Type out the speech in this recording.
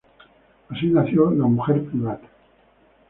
Así nació la Mujer Privat.